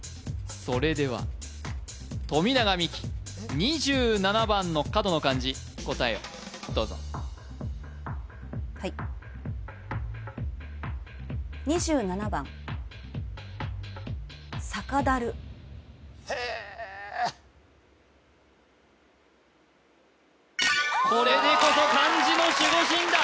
それでは富永美樹２７番の角の漢字答えをどうぞはいへえっこれでこそ漢字の守護神だ！